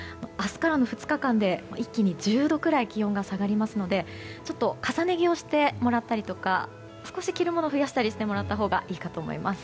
明日からの２日間で一気に１０度ぐらい気温が下がりますので重ね着をしてもらったりとか少し着るものを増やしてもらったほうがいいと思います。